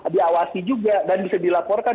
diawasi juga dan bisa dilaporkan